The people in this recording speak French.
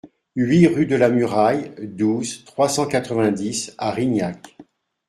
huit rue de la Muraille, douze, trois cent quatre-vingt-dix à Rignac